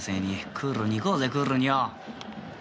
クールにいこうぜクールによ］